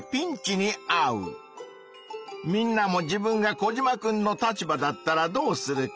みんなも自分がコジマくんの立場だったらどうするか？